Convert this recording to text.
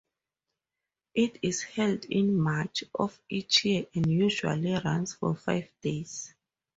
It is held in March of each year and usually runs for five days.